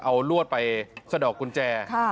เอาลวดไปสะดอกกุญแจ